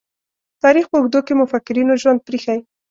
تاریخ په اوږدو کې مُفکرینو ژوند پريښی.